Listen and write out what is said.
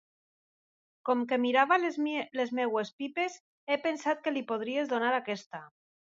Com que mirava les meues pipes, he pensat que li podries donar aquesta.